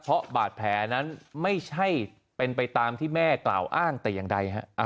เพราะบาดแผลนั้นไม่ใช่เป็นไปตามที่แม่กล่าวอ้างแต่อย่างใดฮะ